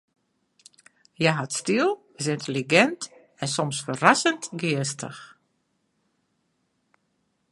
Hja hat styl, is yntelligint en soms ferrassend geastich.